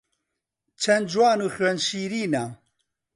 چەن جوان و خوێن شیرینە